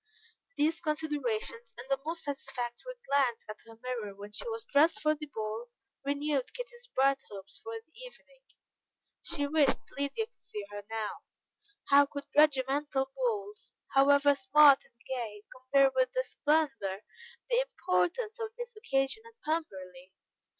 These considerations, and a most satisfactory glance at her mirror when she was dressed for the ball, renewed Kitty's bright hopes for the evening. She wished Lydia could see her now. How could regimental balls, however smart and gay, compare with the splendour, the importance, of this occasion at Pemberley.